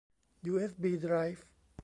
ยูเอสบีไดรฟ์